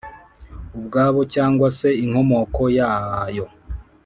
ubwabo cyangwa se inkomoko yayo.